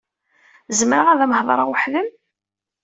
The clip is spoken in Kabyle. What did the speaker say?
Zemreɣ ad am-heḍṛeɣ weḥd-m?